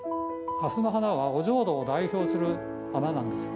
はすの花はお浄土を代表する花なんですよ。